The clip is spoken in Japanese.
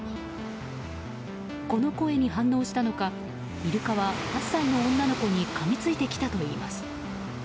この声に反応したのか、イルカは８歳の女の子にかみついてきたといいます。